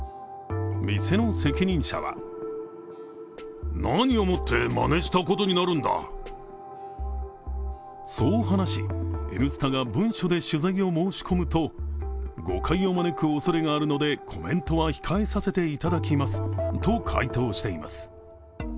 店の責任者はそう話し、「Ｎスタ」が文書で取材を申し込むと誤解を招くおそれがあるので、コメントは控えさせていただきますと回答しています。